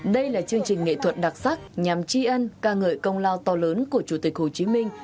đây là chương trình nghệ thuật đặc sắc nhằm tri ân ca ngợi công lao to lớn của chủ tịch hồ chí minh